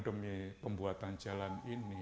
demi pembuatan jalan ini